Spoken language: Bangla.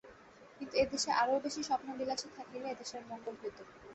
কিন্তু এদেশে আরও বেশী স্বপ্নবিলাসী থাকিলে এদেশের মঙ্গল হইত।